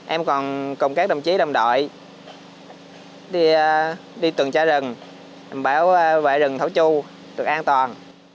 em còn cùng các đồng chí đồng đội đi từng tra rừng bảo vệ rừng thổ chu được an toàn